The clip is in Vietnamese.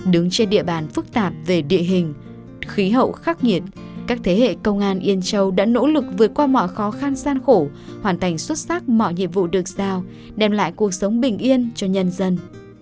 đứng trên địa bàn phức tạp về địa hình khí hậu khắc nghiệt các thế hệ công an yên châu đã nỗ lực vượt qua mọi khó khăn gian khổ hoàn thành xuất sắc mọi nhiệm vụ được giao đem lại cuộc sống bình yên cho nhân dân